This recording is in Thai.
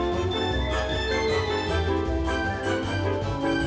ผู้รักชื่ออะไรอีกมั้ย